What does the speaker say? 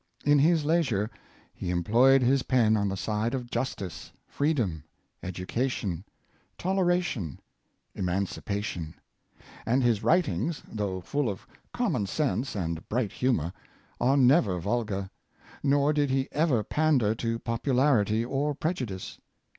In his leisure he employed his pen on the side of justice, freedom, education, tolera Cheerfulness of Men of Genius, 517 tion, emancipation; and his writings, though full of com mon sense and bright humor, are never vulgar; nor did he ever pander to popularity or prejudice.